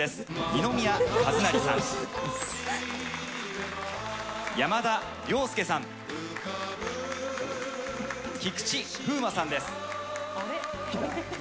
二宮和也さん、山田涼介さん、菊池風磨さんです。